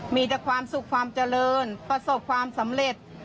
มีแต่ความสุขความเจริญประสบความสำเร็จ